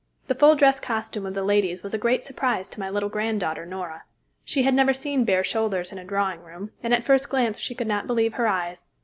The full dress costume of the ladies was a great surprise to my little granddaughter Nora. She had never seen bare shoulders in a drawing room, and at the first glance she could not believe her eyes.